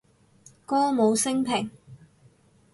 歌舞昇平